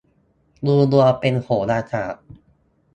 ดูดวงเป็นโหราศาสตร์